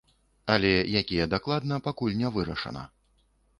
Але якія дакладна пакуль не вырашана.